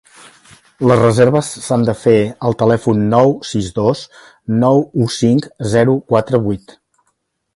Les reserves s’han de fer al telèfon nou sis dos nou u cinc zero quatre vuit.